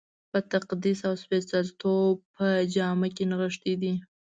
په تقدس او سپېڅلتوب په جامه کې نغښتی دی.